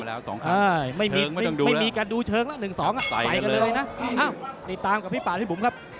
เคยเจอกันมาแล้วสองครั้งไม่มีการดูเชิงแล้ว๑๒ไปกันเลยนะติดตามกับพี่ปัจฉ์ให้บุ๋มครับ